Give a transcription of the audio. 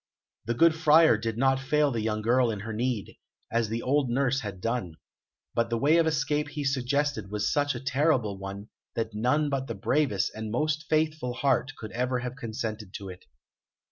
The good Friar did not fail the young girl in her need, as the old nurse had done. But the way of escape he suggested was such a terrible one that none but the bravest and most faithful heart could ever have consented to it.